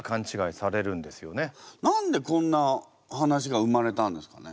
何でこんな話が生まれたんですかね？